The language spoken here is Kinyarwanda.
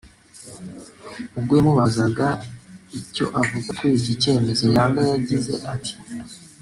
ubwo yamubazaga icyo avuga kuri iki cyemezo Yanga yagize ati